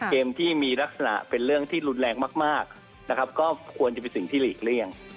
ที่มีลักษณะเป็นเรื่องที่รุนแรงมากนะครับก็ควรจะเป็นสิ่งที่หลีกเลี่ยง